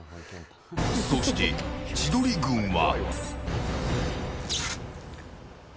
そして、千鳥軍は。